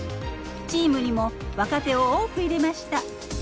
チームにも若手を多く入れました。